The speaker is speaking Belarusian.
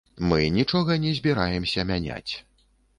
Мы нічога не збіраемся мяняць.